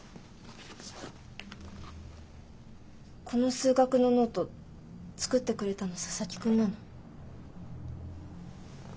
この数学のノート作ってくれたの佐々木くんなの？